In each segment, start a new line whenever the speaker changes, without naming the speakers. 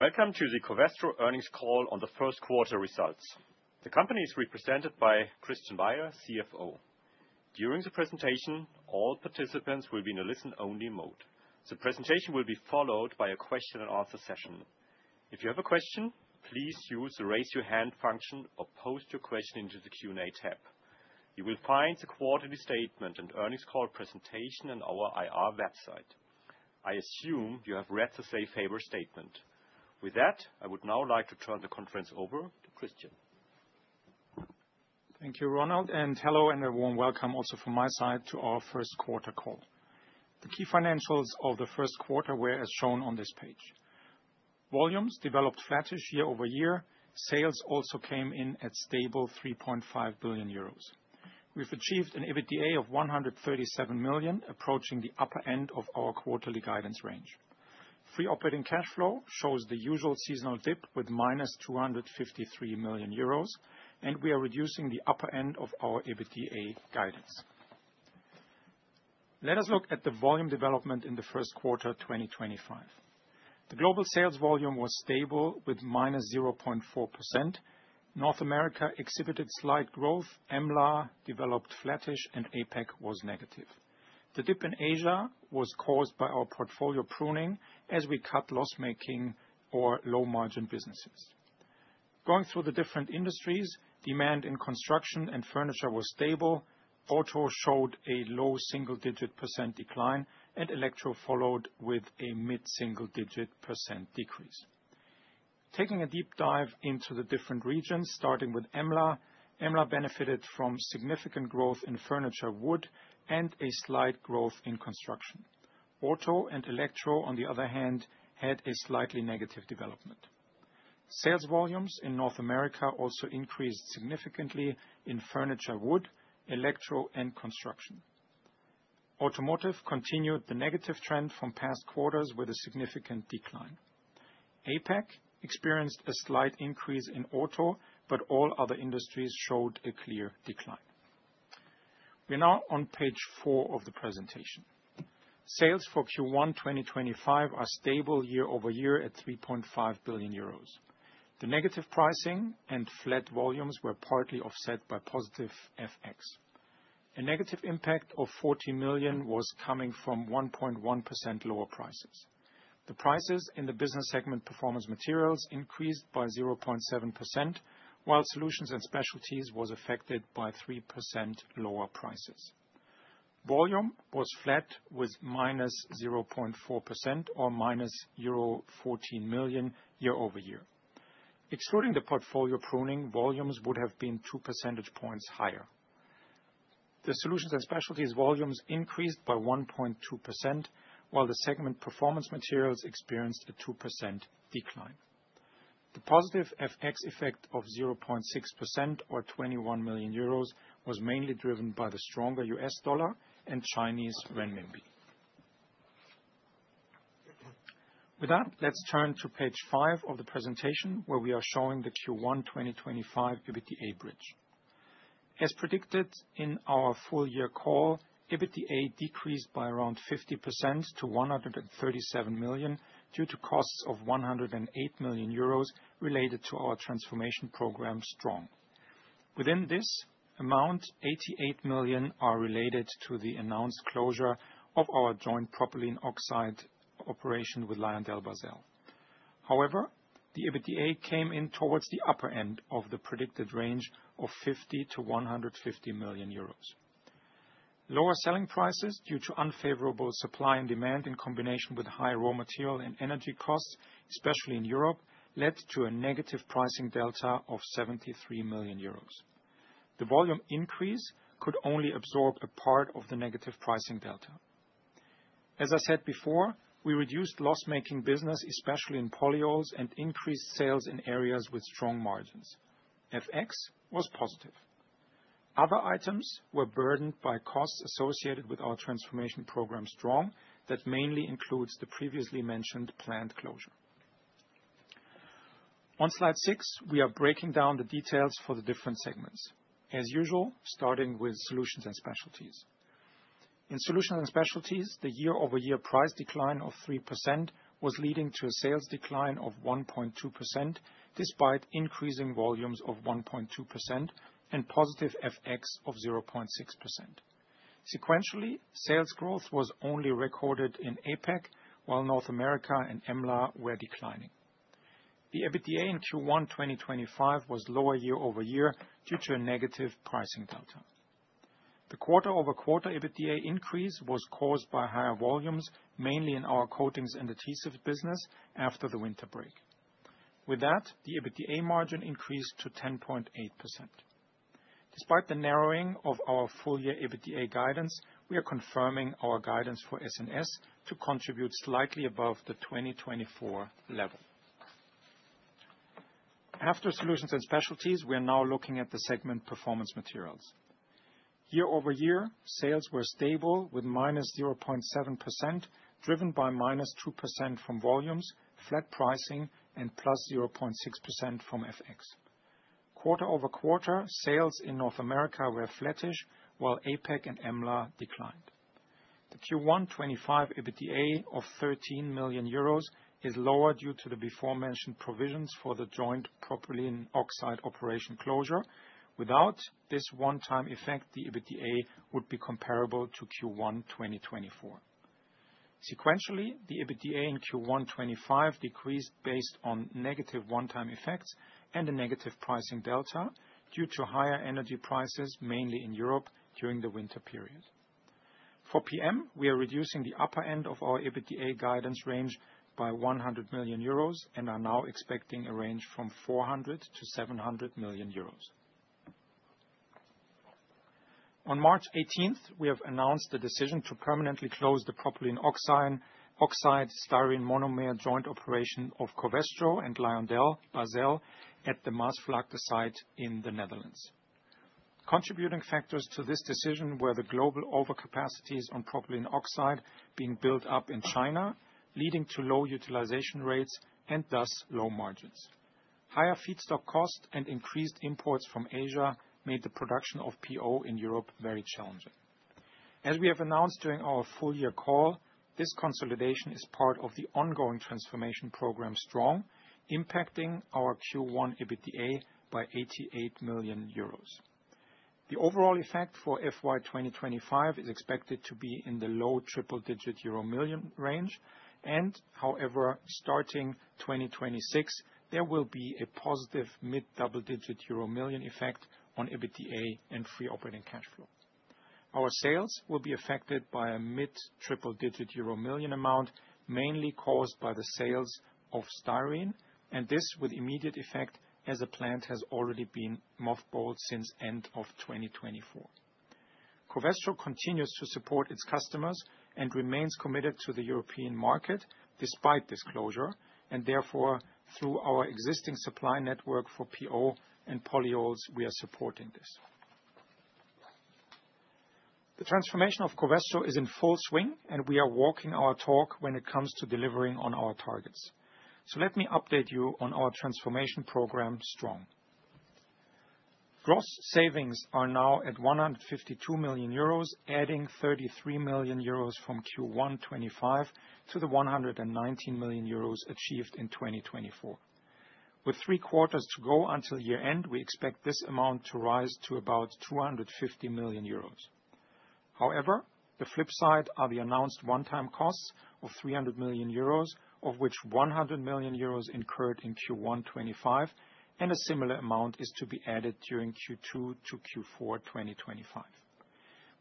Welcome to the Covestro earnings call on the first quarter results. The company is represented by Christian Baier, CFO. During the presentation, all participants will be in a listen-only mode. The presentation will be followed by a question-and-answer session. If you have a question, please use the raise-your-hand function or post your question into the Q&A tab. You will find the quarterly statement and earnings call presentation on our IR website. I assume you have read the safe-failure statement. With that, I would now like to turn the conference over to Christian.
Thank you, Ronald, and hello and a warm welcome also from my side to our first quarter call. The key financials of the first quarter were as shown on this page. Volumes developed flattish year over year. Sales also came in at stable 3.5 billion euros. We've achieved an EBITDA of 137 million, approaching the upper end of our quarterly guidance range. Free operating cash flow shows the usual seasonal dip with -253 million euros, and we are reducing the upper end of our EBITDA guidance. Let us look at the volume development in the first quarter 2025. The global sales volume was stable with -0.4%. North America exhibited slight growth. MLAR developed flattish, and APEC was negative. The dip in Asia was caused by our portfolio pruning as we cut loss-making or low-margin businesses. Going through the different industries, demand in construction and furniture was stable. Auto showed a low single-digit % decline, and Electro followed with a mid-single-digit % decrease. Taking a deep dive into the different regions, starting with MLAR, MLAR benefited from significant growth in furniture wood and a slight growth in construction. Auto and Electro, on the other hand, had a slightly negative development. Sales volumes in North America also increased significantly in furniture wood, Electro, and construction. Automotive continued the negative trend from past quarters with a significant decline. APEC experienced a slight increase in auto, but all other industries showed a clear decline. We are now on page four of the presentation. Sales for Q1 2025 are stable year over year at 3.5 billion euros. The negative pricing and flat volumes were partly offset by positive FX. A negative impact of 40 million was coming from 1.1% lower prices. The prices in the business segment Performance Materials increased by 0.7%, while Solutions and Specialties were affected by 3% lower prices. Volume was flat with -0.4% or -14 million euro year-over-year. Excluding the portfolio pruning, volumes would have been two percentage points higher. The Solutions and Specialties volumes increased by 1.2%, while the segment Performance Materials experienced a 2% decline. The positive FX effect of 0.6% or 21 million euros was mainly driven by the stronger US dollar and Chinese renminbi. With that, let's turn to page five of the presentation, where we are showing the Q1 2025 EBITDA bridge. As predicted in our full-year call, EBITDA decreased by around 50% to 137 million due to costs of 108 million euros related to our transformation program STRONG. Within this amount, 88 million are related to the announced closure of our joint propylene oxide operation with LyondellBasell. However, the EBITDA came in towards the upper end of the predicted range of 50 million-150 million euros. Lower selling prices due to unfavorable supply and demand in combination with high raw material and energy costs, especially in Europe, led to a negative pricing delta of 73 million euros. The volume increase could only absorb a part of the negative pricing delta. As I said before, we reduced loss-making business, especially in polyols, and increased sales in areas with strong margins. FX was positive. Other items were burdened by costs associated with our transformation program STRONG that mainly includes the previously mentioned plant closure. On slide six, we are breaking down the details for the different segments. As usual, starting with Solutions and Specialties. In Solutions and Specialties, the year-over-year price decline of 3% was leading to a sales decline of 1.2% despite increasing volumes of 1.2% and positive FX of 0.6%. Sequentially, sales growth was only recorded in APEC, while North America and MLAR were declining. The EBITDA in Q1 2025 was lower year over year due to a negative pricing delta. The quarter-over-quarter EBITDA increase was caused by higher volumes, mainly in our coatings and adhesive business after the winter break. With that, the EBITDA margin increased to 10.8%. Despite the narrowing of our full-year EBITDA guidance, we are confirming our guidance for S&S to contribute slightly above the 2024 level. After Solutions and Specialties, we are now looking at the segment Performance Materials. Year-over-year, sales were stable with -0.7%, driven by -2% from volumes, flat pricing, and +0.6% from FX. Quarter-over-quarter, sales in North America were flattish, while APEC and MLAR declined. The Q1 2025 EBITDA of 13 million euros is lower due to the before-mentioned provisions for the joint propylene oxide operation closure. Without this one-time effect, the EBITDA would be comparable to Q1 2024. Sequentially, the EBITDA in Q1 2025 decreased based on negative one-time effects and a negative pricing delta due to higher energy prices, mainly in Europe, during the winter period. For PM, we are reducing the upper end of our EBITDA guidance range by 100 million euros and are now expecting a range from 400-700 million euros. On March 18th, we have announced the decision to permanently close the propylene oxide-styrene monomer joint operation of Covestro and LyondellBasell at the Maasvlakte site in the Netherlands. Contributing factors to this decision were the global overcapacities on propylene oxide being built up in China, leading to low utilization rates and thus low margins. Higher feedstock costs and increased imports from Asia made the production of PO in Europe very challenging. As we have announced during our full-year call, this consolidation is part of the ongoing transformation program STRONG, impacting our Q1 EBITDA by 88 million euros. The overall effect for FY 2025 is expected to be in the low triple-digit euro million range. However, starting 2026, there will be a positive mid-double-digit euro million effect on EBITDA and free operating cash flow. Our sales will be affected by a mid-triple-digit euro million amount, mainly caused by the sales of styrene, and this with immediate effect as a plant has already been mothballed since the end of 2024. Covestro continues to support its customers and remains committed to the European market despite this closure, and therefore, through our existing supply network for PO and polyols, we are supporting this. The transformation of Covestro is in full swing, and we are walking our talk when it comes to delivering on our targets. Let me update you on our transformation program STRONG. Gross savings are now at 152 million euros, adding 33 million euros from Q1 2025 to the 119 million euros achieved in 2024. With three quarters to go until year-end, we expect this amount to rise to about 250 million euros. However, the flip side are the announced one-time costs of 300 million euros, of which 100 million euros incurred in Q1 2025, and a similar amount is to be added during Q2 to Q4 2025.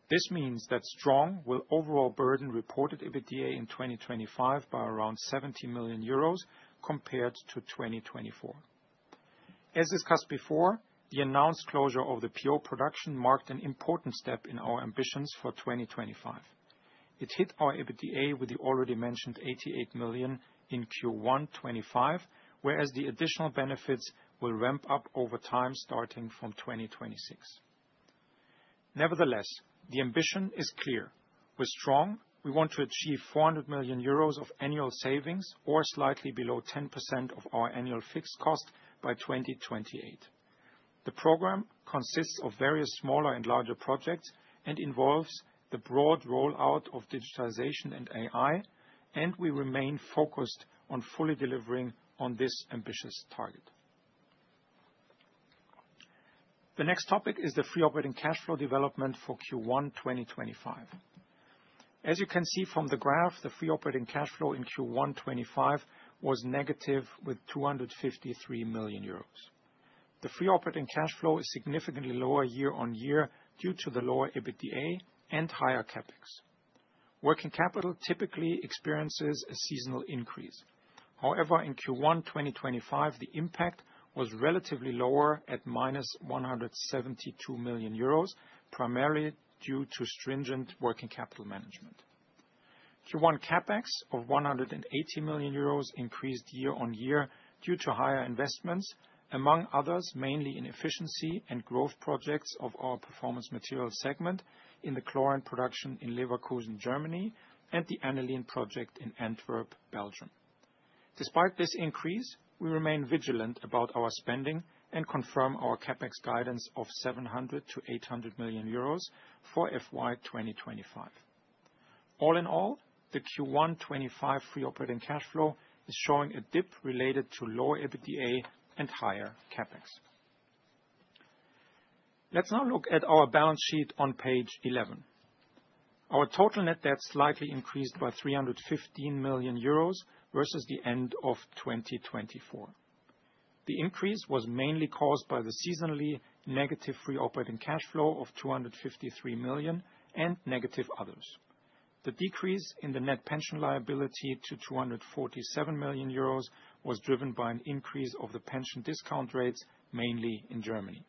This means that STRONG will overall burden reported EBITDA in 2025 by around 70 million euros compared to 2024. As discussed before, the announced closure of the PO production marked an important step in our ambitions for 2025. It hit our EBITDA with the already mentioned 88 million in Q1 2025, whereas the additional benefits will ramp up over time starting from 2026. Nevertheless, the ambition is clear. With STRONG, we want to achieve 400 million euros of annual savings or slightly below 10% of our annual fixed cost by 2028. The program consists of various smaller and larger projects and involves the broad rollout of digitalization and AI, and we remain focused on fully delivering on this ambitious target. The next topic is the free operating cash flow development for Q1 2025. As you can see from the graph, the free operating cash flow in Q1 2025 was negative with 253 million euros. The free operating cash flow is significantly lower year on year due to the lower EBITDA and higher CapEx. Working capital typically experiences a seasonal increase. However, in Q1 2025, the impact was relatively lower at minus 172 million euros, primarily due to stringent working capital management. Q1 CapEx of 180 million euros increased year on year due to higher investments, among others mainly in efficiency and growth projects of our performance material segment in the Chlorine production in Leverkusen, Germany, and the Aniline project in Antwerp, Belgium. Despite this increase, we remain vigilant about our spending and confirm our CapEx guidance of 700-800 million euros for FY 2025. All in all, the Q1 2025 free operating cash flow is showing a dip related to lower EBITDA and higher CapEx. Let's now look at our balance sheet on page 11. Our total net debt slightly increased by 315 million euros versus the end of 2024. The increase was mainly caused by the seasonally negative free operating cash flow of 253 million and negative others. The decrease in the net pension liability to 247 million euros was driven by an increase of the pension discount rates, mainly in Germany.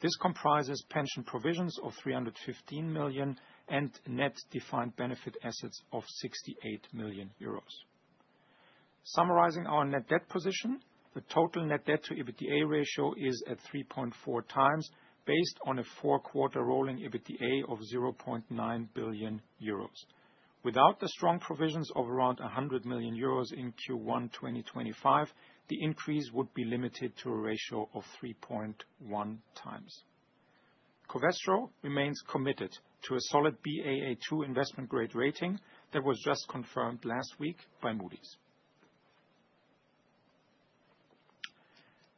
This comprises pension provisions of 315 million and net defined benefit assets of 68 million euros. Summarizing our net debt position, the total net debt to EBITDA ratio is at 3.4 times based on a four-quarter rolling EBITDA of 0.9 billion euros. Without the STRONG provisions of around 100 million euros in Q1 2025, the increase would be limited to a ratio of 3.1 times. Covestro remains committed to a solid Baa2 investment grade rating that was just confirmed last week by Moody's.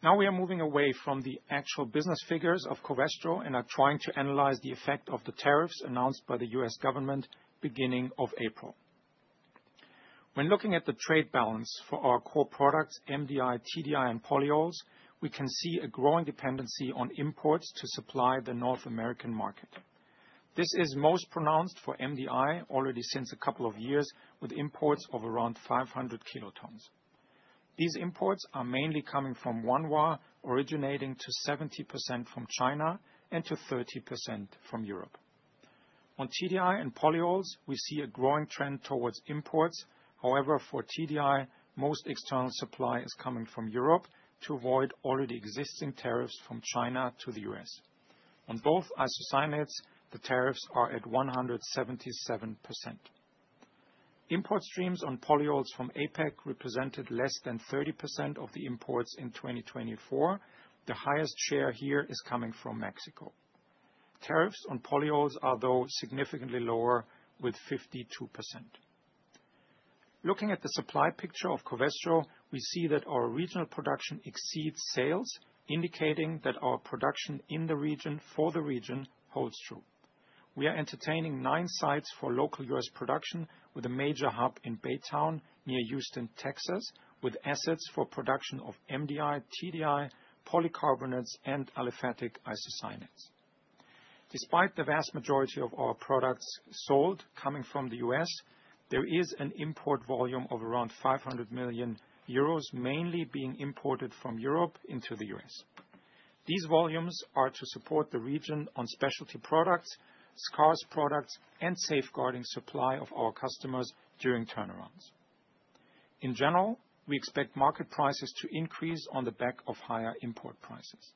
Now we are moving away from the actual business figures of Covestro and are trying to analyze the effect of the tariffs announced by the US government beginning of April. When looking at the trade balance for our core products, MDI, TDI, and polyols, we can see a growing dependency on imports to supply the North American market. This is most pronounced for MDI already since a couple of years with imports of around 500 kilotons. These imports are mainly coming from Wanhua, originating to 70% from China and to 30% from Europe. On TDI and polyols, we see a growing trend towards imports. However, for TDI, most external supply is coming from Europe to avoid already existing tariffs from China to the US. On both isocyanates, the tariffs are at 177%. Import streams on polyols from APEC represented less than 30% of the imports in 2024. The highest share here is coming from Mexico. Tariffs on polyols are though significantly lower with 52%. Looking at the supply picture of Covestro, we see that our regional production exceeds sales, indicating that our production in the region for the region holds true. We are entertaining nine sites for local U.S. production with a major hub in Baytown near Houston, Texas, with assets for production of MDI, TDI, polycarbonates, and aliphatic isocyanates. Despite the vast majority of our products sold coming from the U.S., there is an import volume of around 500 million euros, mainly being imported from Europe into the U.S. These volumes are to support the region on specialty products, scarce products, and safeguarding supply of our customers during turnarounds. In general, we expect market prices to increase on the back of higher import prices.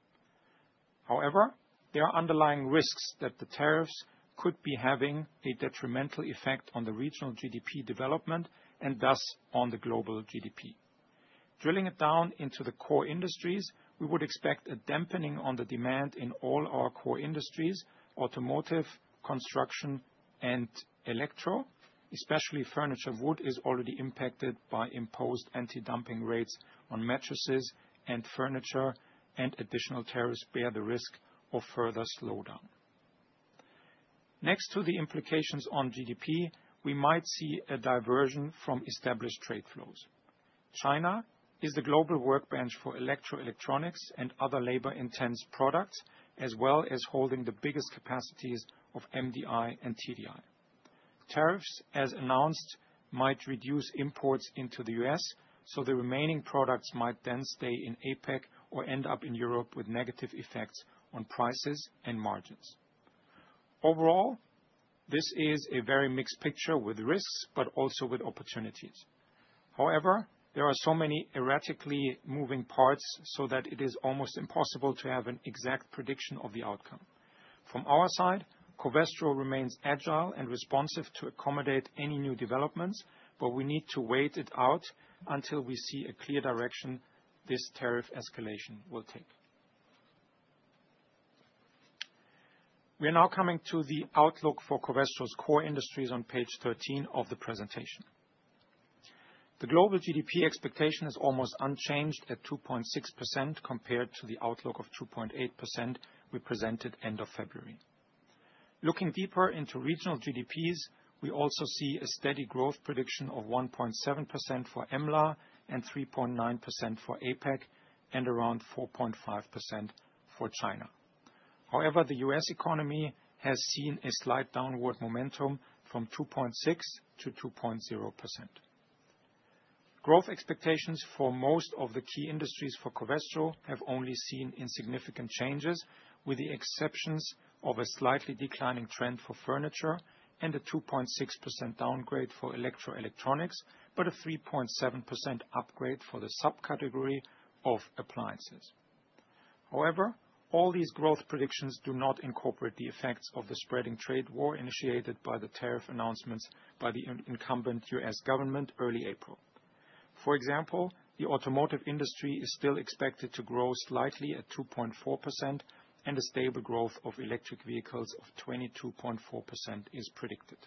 However, there are underlying risks that the tariffs could be having a detrimental effect on the regional GDP development and thus on the global GDP. Drilling it down into the core industries, we would expect a dampening on the demand in all our core industries, automotive, construction, and electro. Especially furniture wood is already impacted by imposed anti-dumping rates on mattresses and furniture, and additional tariffs bear the risk of further slowdown. Next to the implications on GDP, we might see a diversion from established trade flows. China is the global workbench for electroelectronics and other labor-intense products, as well as holding the biggest capacities of MDI and TDI. Tariffs, as announced, might reduce imports into the US, so the remaining products might then stay in APEC or end up in Europe with negative effects on prices and margins. Overall, this is a very mixed picture with risks, but also with opportunities. However, there are so many erratically moving parts so that it is almost impossible to have an exact prediction of the outcome. From our side, Covestro remains agile and responsive to accommodate any new developments, but we need to wait it out until we see a clear direction this tariff escalation will take. We are now coming to the outlook for Covestro's core industries on page 13 of the presentation. The global GDP expectation is almost unchanged at 2.6% compared to the outlook of 2.8% we presented end of February. Looking deeper into regional GDPs, we also see a steady growth prediction of 1.7% for MLAR and 3.9% for APEC and around 4.5% for China. However, the U.S. economy has seen a slight downward momentum from 2.6% to 2.0%. Growth expectations for most of the key industries for Covestro have only seen insignificant changes, with the exceptions of a slightly declining trend for furniture and a 2.6% downgrade for electroelectronics, but a 3.7% upgrade for the subcategory of appliances. However, all these growth predictions do not incorporate the effects of the spreading trade war initiated by the tariff announcements by the incumbent U.S. government early April. For example, the automotive industry is still expected to grow slightly at 2.4%, and a stable growth of electric vehicles of 22.4% is predicted.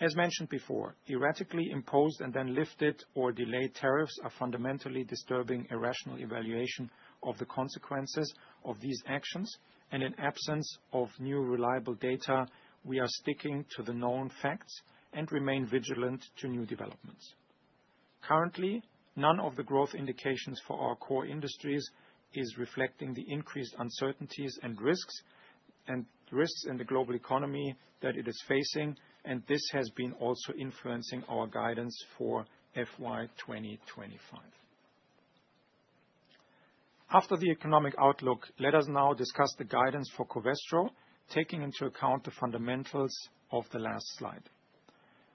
As mentioned before, erratically imposed and then lifted or delayed tariffs are fundamentally disturbing irrational evaluation of the consequences of these actions, and in absence of new reliable data, we are sticking to the known facts and remain vigilant to new developments. Currently, none of the growth indications for our core industries is reflecting the increased uncertainties and risks in the global economy that it is facing, and this has been also influencing our guidance for FY 2025. After the economic outlook, let us now discuss the guidance for Covestro, taking into account the fundamentals of the last slide.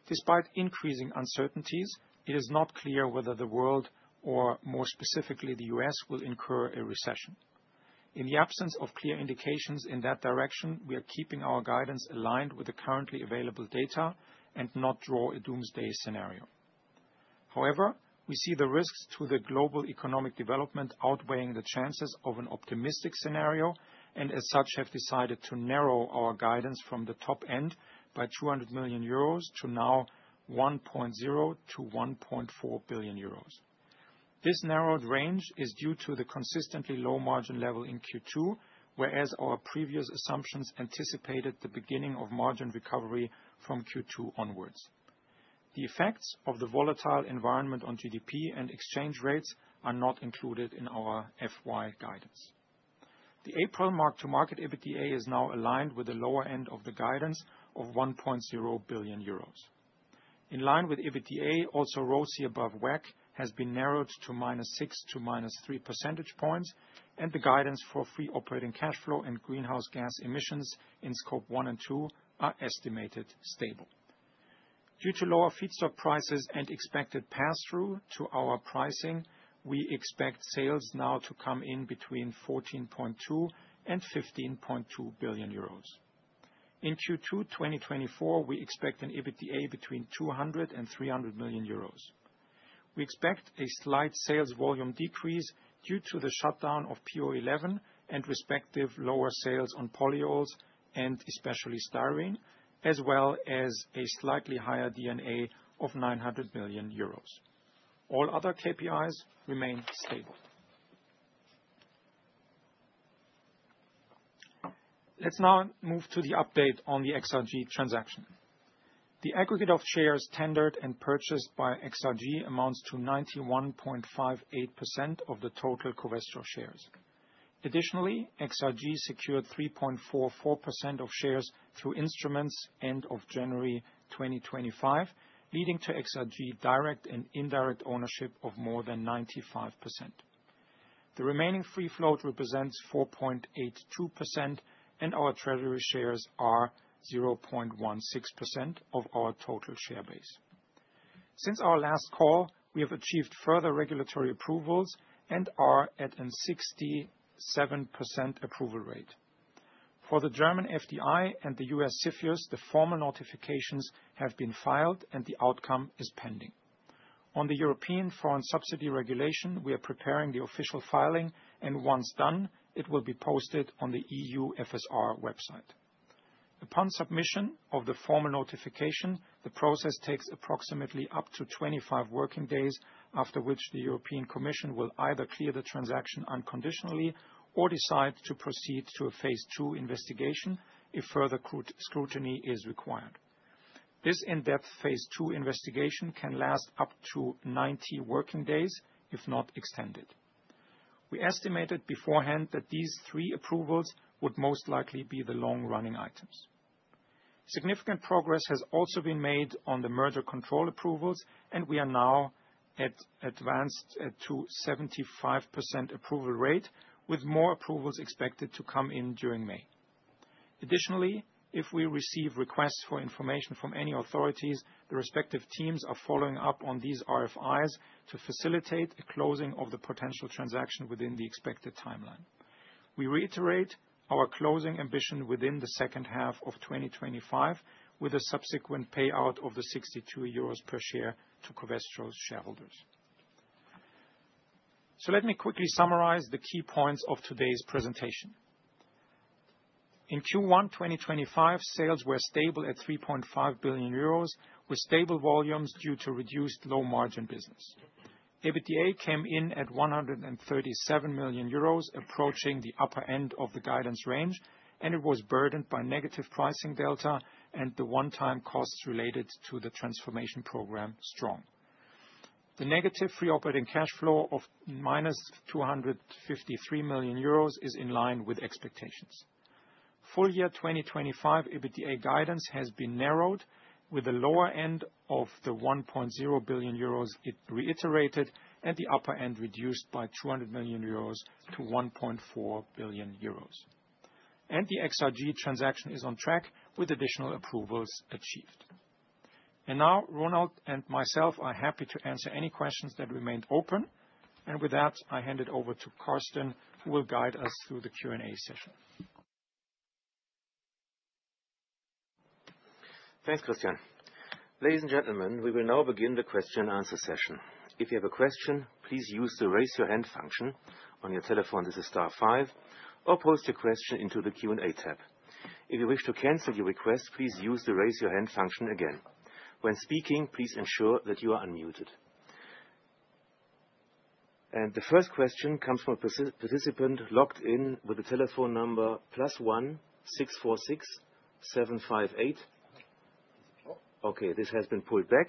Despite increasing uncertainties, it is not clear whether the world, or more specifically the U.S., will incur a recession. In the absence of clear indications in that direction, we are keeping our guidance aligned with the currently available data and not draw a doomsday scenario. However, we see the risks to the global economic development outweighing the chances of an optimistic scenario, and as such have decided to narrow our guidance from the top end by 200 million euros to now 1.0-1.4 billion euros. This narrowed range is due to the consistently low margin level in Q2, whereas our previous assumptions anticipated the beginning of margin recovery from Q2 onwards. The effects of the volatile environment on GDP and exchange rates are not included in our full year guidance. The April marked-to-market EBITDA is now aligned with the lower end of the guidance of 1.0 billion euros. In line with EBITDA, also ROSI above WACC has been narrowed to -6 to -3 percentage points, and the guidance for free operating cash flow and greenhouse gas emissions in scope one and two are estimated stable. Due to lower feedstock prices and expected pass-through to our pricing, we expect sales now to come in between 14.2 billion and 15.2 billion euros. In Q2 2024, we expect an EBITDA between 200 million euros and 300 million euros. We expect a slight sales volume decrease due to the shutdown of PO11 and respective lower sales on polyols and especially styrene, as well as a slightly higher DNA of 900 million euros. All other KPIs remain stable. Let's now move to the update on the XRG transaction. The aggregate of shares tendered and purchased by XRG amounts to 91.58% of the total Covestro shares. Additionally, XRG secured 3.44% of shares through instruments end of January 2025, leading to XRG direct and indirect ownership of more than 95%. The remaining free float represents 4.82%, and our treasury shares are 0.16% of our total share base. Since our last call, we have achieved further regulatory approvals and are at a 67% approval rate. For the German FDI and the US CFIUS, the formal notifications have been filed, and the outcome is pending. On the European Foreign Subsidy regulation, we are preparing the official filing, and once done, it will be posted on the EU FSR website. Upon submission of the formal notification, the process takes approximately up to 25 working days, after which the European Commission will either clear the transaction unconditionally or decide to proceed to a phase two investigation if further scrutiny is required. This in-depth phase two investigation can last up to 90 working days, if not extended. We estimated beforehand that these three approvals would most likely be the long-running items. Significant progress has also been made on the merger control approvals, and we are now advanced to 75% approval rate, with more approvals expected to come in during May. Additionally, if we receive requests for information from any authorities, the respective teams are following up on these RFIs to facilitate a closing of the potential transaction within the expected timeline. We reiterate our closing ambition within the second half of 2025, with a subsequent payout of the 62 euros per share to Covestro's shareholders. Let me quickly summarize the key points of today's presentation. In Q1 2025, sales were stable at 3.5 billion euros, with stable volumes due to reduced low-margin business. EBITDA came in at 137 million euros, approaching the upper end of the guidance range, and it was burdened by negative pricing delta and the one-time costs related to the transformation program STRONG. The negative free operating cash flow of -253 million euros is in line with expectations. Full year 2025 EBITDA guidance has been narrowed, with the lower end of the 1.0 billion euros reiterated and the upper end reduced by 200 million euros to 1.4 billion euros. The XRG transaction is on track with additional approvals achieved. Ronald and myself are happy to answer any questions that remained open. With that, I hand it over to Carsten, who will guide us through the Q&A session.
Thanks, Christian. Ladies and gentlemen, we will now begin the question-and-answer session. If you have a question, please use the raise-your-hand function on your telephone. This is Star five, or post your question into the Q&A tab. If you wish to cancel your request, please use the raise-your-hand function again. When speaking, please ensure that you are unmuted. The first question comes from a participant logged in with the telephone number plus one, 646, 758. Okay, this has been pulled back.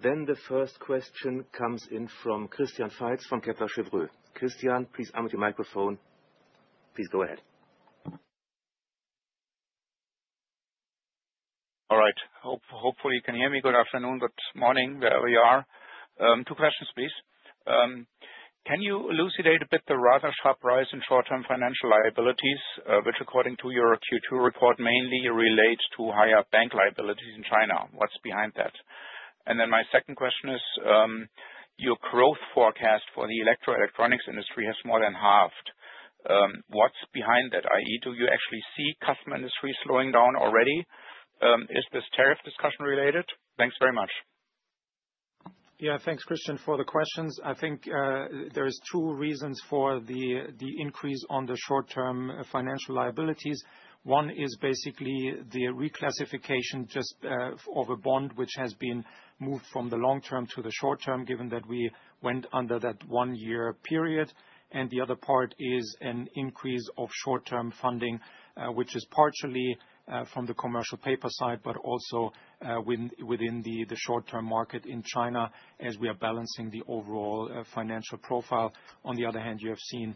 The first question comes in from Christian Faitz from Kepler Cheuvreux. Christian, please arm with your microphone. Please go ahead.
All right. Hopefully, you can hear me. Good afternoon. Good morning, wherever you are. Two questions, please. Can you elucidate a bit the rather sharp rise in short-term financial liabilities, which, according to your Q2 report, mainly relates to higher bank liabilities in China? What's behind that? My second question is, your growth forecast for the electroelectronics industry has more than halved. What's behind that? I.e., do you actually see customer industry slowing down already? Is this tariff discussion related? Thanks very much.
Yeah, thanks, Christian, for the questions. I think there are two reasons for the increase on the short-term financial liabilities. One is basically the reclassification just of a bond, which has been moved from the long-term to the short-term, given that we went under that one-year period. The other part is an increase of short-term funding, which is partially from the commercial paper side, but also within the short-term market in China, as we are balancing the overall financial profile. On the other hand, you have seen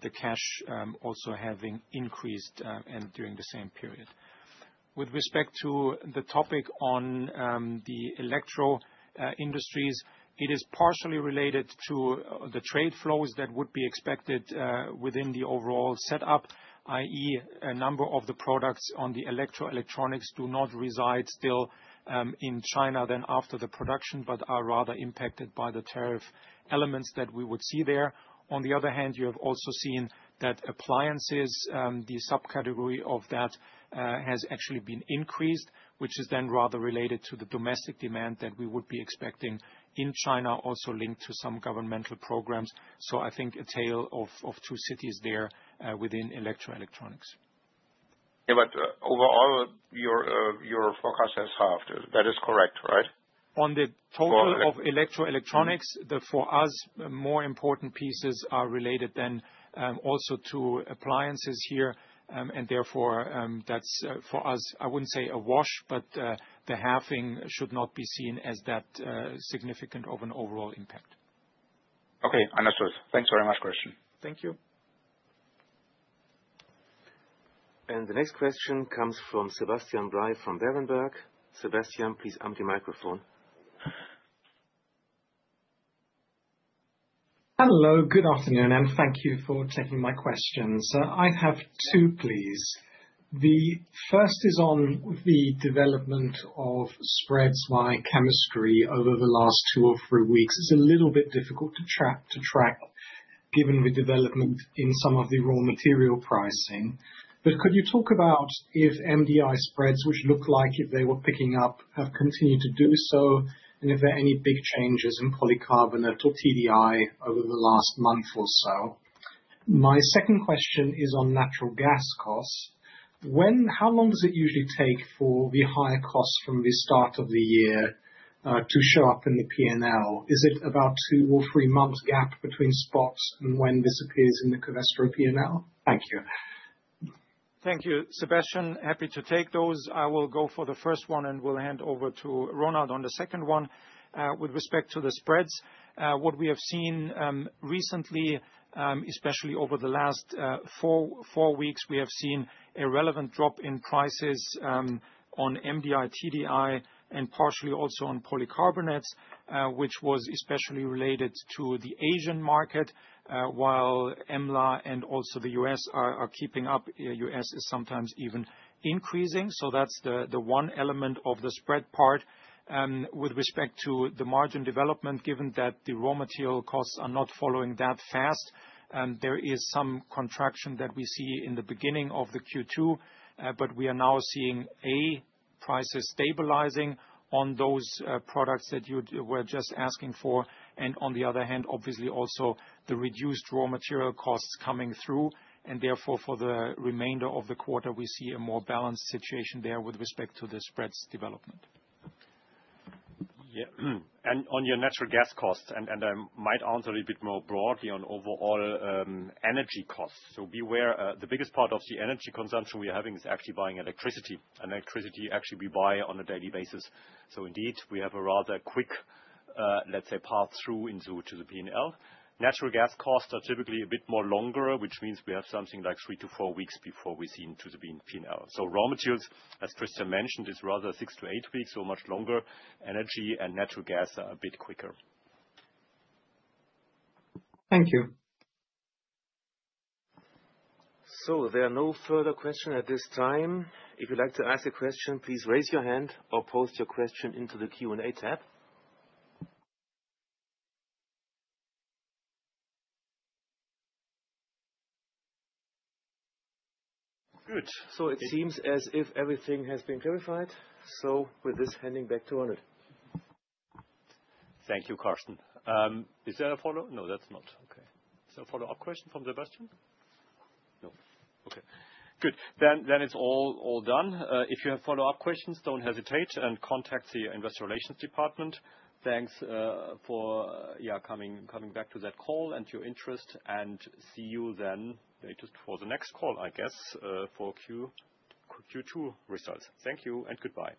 the cash also having increased and during the same period. With respect to the topic on the electro industries, it is partially related to the trade flows that would be expected within the overall setup, i.e., a number of the products on the electroelectronics do not reside still in China then after the production, but are rather impacted by the tariff elements that we would see there. On the other hand, you have also seen that appliances, the subcategory of that, has actually been increased, which is then rather related to the domestic demand that we would be expecting in China, also linked to some governmental programs. I think a tale of two cities there within electroelectronics.
Yeah, but overall, your forecast has halved. That is correct, right?
On the total of electroelectronics, the for us, more important pieces are related then also to appliances here, and therefore that's for us, I wouldn't say a wash, but the halving should not be seen as that significant of an overall impact.
Okay, understood. Thanks very much, Christian.
Thank you.
The next question comes from Sebastian Bray from Berenberg. Sebastian, please arm the microphone.
Hello, good afternoon, and thank you for taking my questions. I have two, please. The first is on the development of spreads by chemistry over the last two or three weeks. It's a little bit difficult to track, given the development in some of the raw material pricing. But could you talk about if MDI spreads, which look like if they were picking up, have continued to do so, and if there are any big changes in polycarbonate or TDI over the last month or so? My second question is on natural gas costs. How long does it usually take for the higher costs from the start of the year to show up in the P&L? Is it about a two or three-month gap between spots and when this appears in the Covestro P&L? Thank you.
Thank you, Sebastian. Happy to take those. I will go for the first one and will hand over to Ronald on the second one. With respect to the spreads, what we have seen recently, especially over the last four weeks, we have seen a relevant drop in prices on MDI, TDI, and partially also on polycarbonates, which was especially related to the Asian market. While EMLA and also the US are keeping up, the US is sometimes even increasing. That is the one element of the spread part. With respect to the margin development, given that the raw material costs are not following that fast, there is some contraction that we see in the beginning of Q2, but we are now seeing A, prices stabilizing on those products that you were just asking for, and on the other hand, obviously also the reduced raw material costs coming through, and therefore for the remainder of the quarter, we see a more balanced situation there with respect to the spreads development.
Yeah, and on your natural gas costs, I might answer a bit more broadly on overall energy costs. Beware, the biggest part of the energy consumption we are having is actually buying electricity. Electricity actually we buy on a daily basis. Indeed, we have a rather quick, let's say, path through into the P&L. Natural gas costs are typically a bit more longer, which means we have something like three to four weeks before we see into the P&L. Raw materials, as Christian mentioned, is rather six to eight weeks, so much longer. Energy and natural gas are a bit quicker.
Thank you. There are no further questions at this time. If you'd like to ask a question, please raise your hand or post your question into the Q&A tab. Good. It seems as if everything has been clarified. With this, handing back to Ronald.
Thank you, Carsten. Is there a follow-up? No, that's not. Okay. Is there a follow-up question from Sebastian? No. Okay. Good. It is all done. If you have follow-up questions, do not hesitate and contact the Investor Relations Department. Thanks for coming back to that call and your interest, and see you then for the next call, I guess, for Q2 results. Thank you and goodbye.